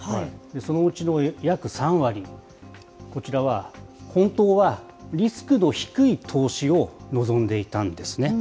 そのうちの約３割、こちらは、本当はリスクの低い投資を望んでいたんですね。